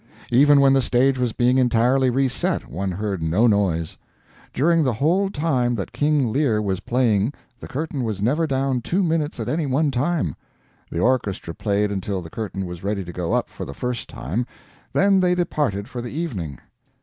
Even when the stage was being entirely reset, one heard no noise. During the whole time that "King Lear" was playing the curtain was never down two minutes at any one time. The orchestra played until the curtain was ready to go up for the first time, then they departed for the evening.